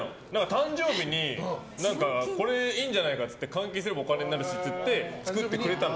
誕生日にこれいいんじゃないかって換金すればお金になるしって作ってくれたの。